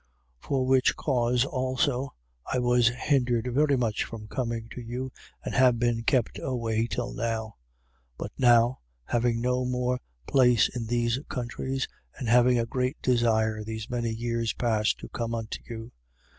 15:22. For which cause also, I was hindered very much from coming to you and have been kept away till now. 15:23. But now, having no more place in these countries and having a great desire these many years past to come unto you, 15:24.